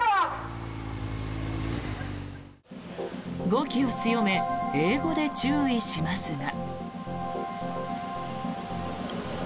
語気を強め英語で注意しますが。